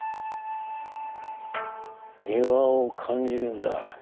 庭を感じるんだ。